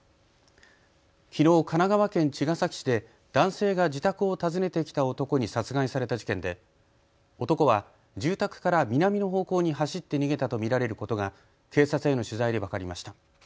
きのう神奈川県茅ヶ崎市で男性が自宅を訪ねてきた男に殺害された事件で男は住宅から南の方向に走って逃げたと見られることが警察への取材で分かりました。